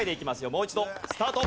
もう一度スタート。